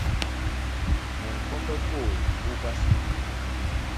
Me mpombe kôô u baskô.